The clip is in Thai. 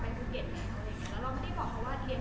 ตอนที่เราพาลูกกลับมาภูเก็ต